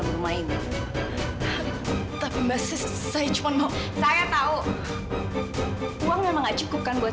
sampai jumpa di video selanjutnya